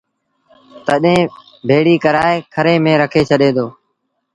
تڏهيݩ ڀيڙي ڪرآئي کري ميݩ رکي ڇڏي دو